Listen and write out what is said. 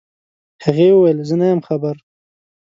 هغې وويل زه نه يم خبر.